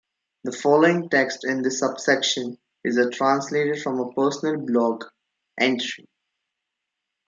"The following text in this subsection is a translated from a personal Blog" "entry".